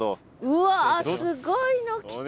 うわすごいの来た。